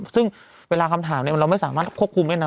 ซึ่งเวลาคำถามเราไม่สามารถควบคุมได้นะ